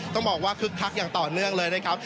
ต้องบอกว่าคึกคักอย่างต่อเนื่องเลยนะครับ